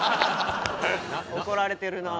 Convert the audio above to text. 怒られてるなあ。